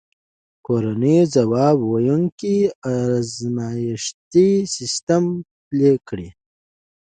کورنیو ځواب ویونکی ازمایښتي سیستم پلی کړ.